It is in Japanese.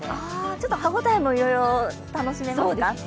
ちょっと歯ごたえもいろいろ楽しめますか。